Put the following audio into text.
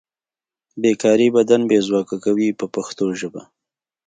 بې کاري بدن بې ځواکه کوي په پښتو ژبه.